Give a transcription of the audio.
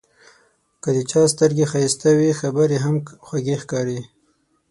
که د چا سترګې ښایسته وي، خبرې یې هم خوږې ښکاري.